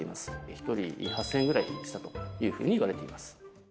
一人８０００円ぐらいしたというふうにいわれています